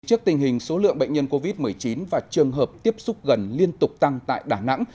trước tình hình số lượng bệnh nhân covid một mươi chín và trường hợp tiếp xúc gần liên tục tăng tại đà nẵng